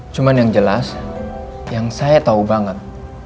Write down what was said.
cuma yang jelas yang saya tahu banget